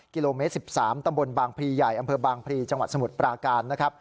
กิโลเมตร๑๓ตำบลบางพลีใหญ่อำเภอบางพลีจังหวัดสมุทรปราการนะครับ